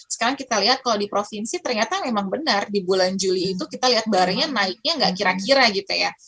sekarang kita lihat kalau di provinsi ternyata memang benar di bulan juli itu kita lihat barangnya naiknya nggak kira kira gitu ya